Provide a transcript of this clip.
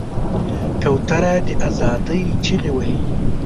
کوتره د آزادۍ چیغې وهي.